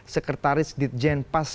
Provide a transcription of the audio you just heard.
sekretaris ditjen pas